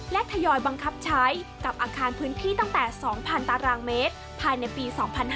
และตรยอยบังกับใช้กับอาคารพื้นที่ตั้งแต่๒๐๐๐ตรมภายในปี๒๕๖๒